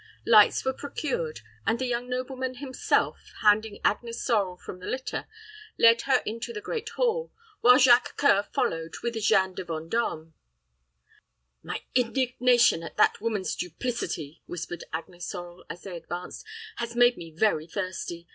Lights were procured; and the young nobleman himself, handing Agnes Sorel from the litter, led her into the great hall, while Jacques C[oe]ur followed with Jeanne de Vendôme. "My indignation at that woman's duplicity," whispered Agnes Sorel, as they advanced, "has made me very thirsty.